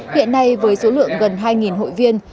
hiện nay với số lượng gần hai hội viên